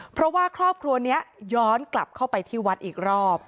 เพราะว่าครอบครัวนี้ย้อนกลับเข้าไปที่วัดอีกรอบ